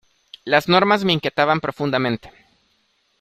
Las normas me inquietaban profundamente.